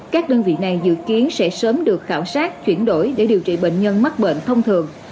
các đơn vị này dự kiến sẽ sớm được khảo sát chuyển đổi để điều trị bệnh nhân mắc bệnh thông thường